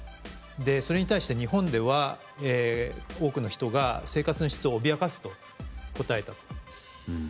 それに対して日本では多くの人が生活の質を脅かすと答えたと。